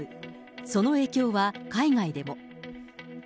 その影響は海外でも。